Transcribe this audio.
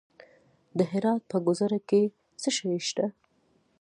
د هرات په ګذره کې څه شی شته؟